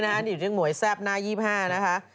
นี่นะครับหมวยแซ่บหน้า๒๕นะคะ